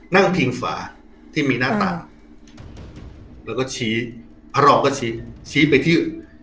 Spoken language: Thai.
นั่งพิงฝาที่มีหน้าตาแล้วก็ชี้พระรองก็ชี้ชี้ไปที่